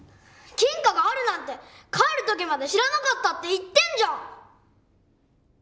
金貨があるなんて帰る時まで知らなかったって言ってんじゃん！